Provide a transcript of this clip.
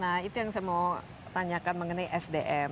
nah itu yang saya mau tanyakan mengenai sdm